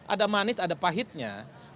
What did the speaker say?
ada manis ada pahitnya